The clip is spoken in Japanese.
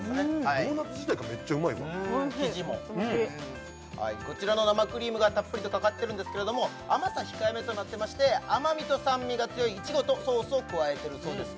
ドーナツ自体がメッチャうまいわ生地もこちらの生クリームがたっぷりとかかってるんですけれども甘さ控えめとなってまして甘みと酸味が強いイチゴとソースを加えているそうです